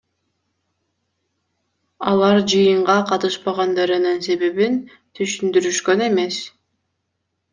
Алар жыйынга катышпагандырынын себебин түшүндүрүшкөн эмес.